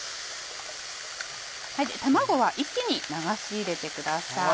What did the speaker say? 卵は一気に流し入れてください。